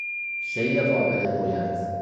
شی قابل رویت